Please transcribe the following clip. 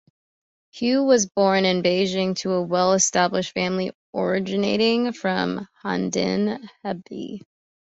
Hu was born in Beijing to a well-established family originating from Handan, Hebei.